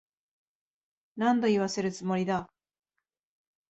何度言わせるつもりだ。